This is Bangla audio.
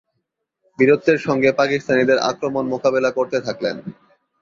বীরত্বের সঙ্গে পাকিস্তানিদের আক্রমণ মোকাবিলা করতে থাকলেন।